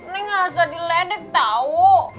neng ngerasa diledek tau